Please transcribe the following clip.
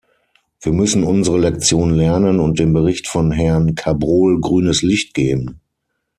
Wir müssen unsere Lektion lernen und dem Bericht von Herrn Cabrol grünes Licht geben.